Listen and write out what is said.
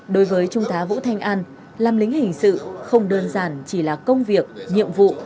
đối với trung tá vũ thanh an làm lính hình sự không đơn giản chỉ là công việc nhiệm vụ